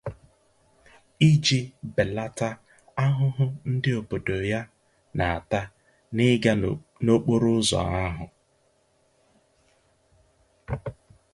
iji bèlata ahụhụ ndị obodo ya na-ata n'ịga n'okporo ụzọ ahụ